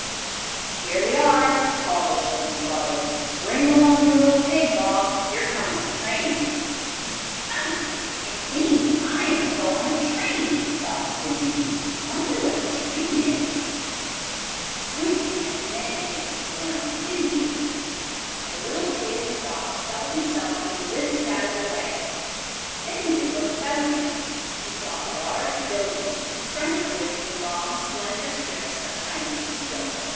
"Here we are!" called the children's father. "Bring along your little pig, Bob. Here comes the train." "Ha! It seems I am to go on a train," thought Squinty. "I wonder what a train is?" Squinty had many things to learn, didn't he? The little pig in the box felt himself being lifted out of the wagon. Then he could look about him. He saw a large building, in front of which were long, slender strips of shining steel.